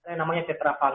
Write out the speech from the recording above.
yang namanya tetravalent